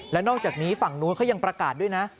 และนอกจากนี้ฝั่งนู้นเขายังประกาศด้วยนะ